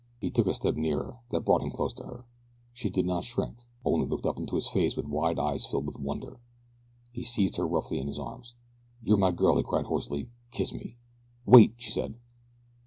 He took a step nearer that brought him close to her. She did not shrink only looked up into his face with wide eyes filled with wonder. He seized her roughly in his arms. "You are my girl!" he cried hoarsely. "Kiss me!" "Wait!" she said.